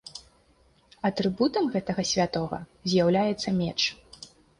Атрыбутам гэтага святога з'яўляецца меч.